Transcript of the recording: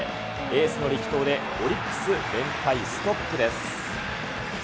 エースの力投でオリックス連敗ストップです。